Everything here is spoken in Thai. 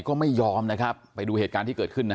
ก็ไม่ยอมนะครับไปดูเหตุการณ์ที่เกิดขึ้นนะ